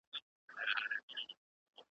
د آواز کیسې یې ولاړې تر ملکونو .